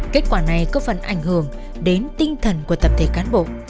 kết quả này có phần ảnh hưởng đến tinh thần của tập thể cán bộ